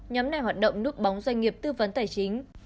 nhóm này hoạt động núp bóng doanh nghiệp tư vấn tài chính